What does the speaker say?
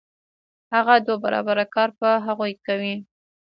هغه دوه برابره کار په هغوی کوي